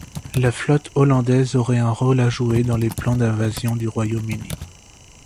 La flotte hollandaise aurait un rôle à jouer dans les plans d'invasion du Royaume-Uni.